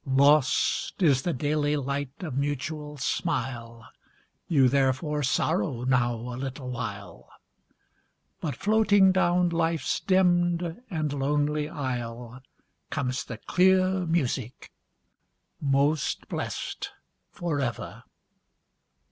Lost is the daily light of mutual smile, You therefore sorrow now a little while; But floating down life's dimmed and lonely aisle Comes the clear music: 'Most blessed for ever!'